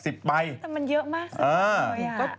มันเยอะมากสิ